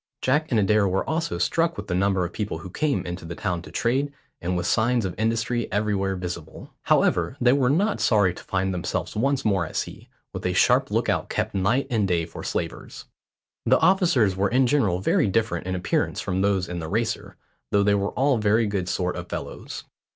Jack and Adair were also struck with the number of people who came into the town to trade, and with the signs of industry everywhere visible. However, they were not sorry to find themselves once more at sea, with a sharp lookout kept night and day for slavers. The officers were in general very different in appearance from those in the Racer, though they were all very good sort of fellows.